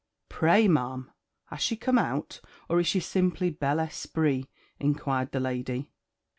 "Pray, ma'am, has she come out, or is she simply bel esprit?" inquired the lady.